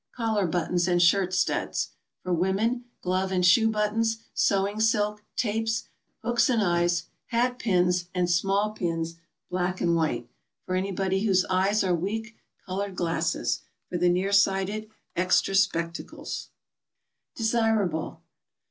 Collar buttons and shirt studs. For women — Glove and shoe buttons, sewing silk, tapes, hooks and eyes, hat pins, and small pins, black and white. For anybody whose eyes are weak, colored glasses. For the near sighted, extra spectacles. DESIRABLE.